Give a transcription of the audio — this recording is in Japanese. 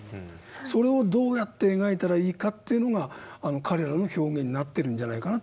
それをどうやって描いたらいいかというのが彼らの表現になってるんじゃないかなと思うわけですね。